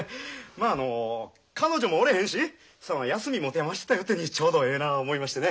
まああの彼女もおれへんし休み持て余してたよってにちょうどええな思いましてね。